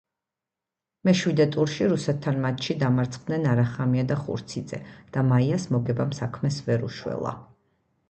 მეშვიდე ტურში რუსეთთან მატჩში დამარცხდნენ არახამია და ხურციძე და მაიას მოგებამ საქმეს ვერ უშველა.